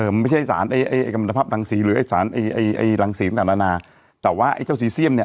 มันไม่ใช่สารกรรมภาพรังศรีหรือสารรังศรีต่างแต่ว่าไอ้เจ้าซีเซียมเนี่ย